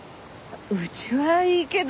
うちはいいけど。